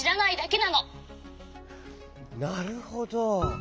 なるほど。